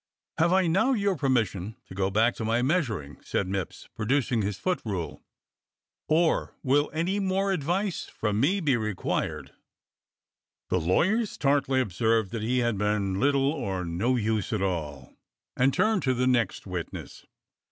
"Have I now your permission to go back to my measur ing," said Mipps, producing his footrule, "or will any more advice from me be required.'^" The lawyers tartly observed that he had been little or no use at all, and turned to the next witness.